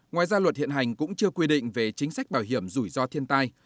ngoài ra luật hiện hành cũng chưa quy định về chính sách bảo hiểm rủi ro thiên tai